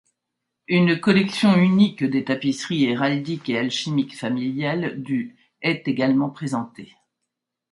Une collection unique de tapisseries héraldiques et alchimiques familiales du est également présentée.